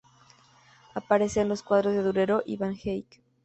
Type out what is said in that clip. Aparece en los cuadros de Durero y Van Eyck.